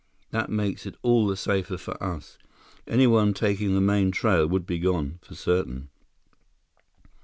That makes it all the safer for us. Anyone taking the main trail would be gone, for certain."